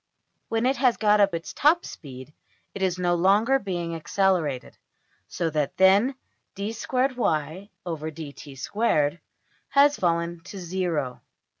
When it has got up its top speed it is no longer being accelerated, so that then $\dfrac{d^2y}{dt^2}$ has fallen to zero.